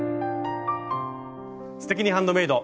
「すてきにハンドメイド」。